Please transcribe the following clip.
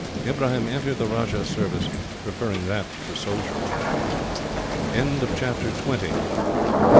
Ibrahim entered the Rajah's service, preferring that to soldiering. Chapter 21: Home.